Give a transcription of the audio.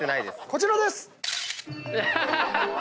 こちらです！